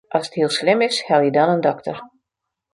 As it hiel slim is, helje dan in dokter.